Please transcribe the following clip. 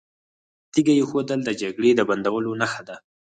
تیږه ایښودل د جګړې د بندولو نښه ده.